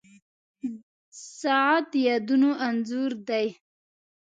• ساعت د یادونو انځور دی.